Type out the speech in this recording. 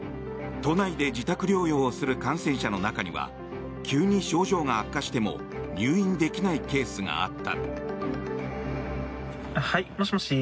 都内で自宅療養をする感染者の中には急に症状が悪化しても入院できないケースがあった。